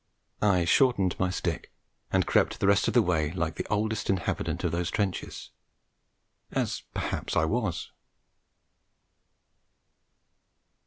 I shortened my stick, and crept the rest of the way like the oldest inhabitant of those trenches, as perhaps I was.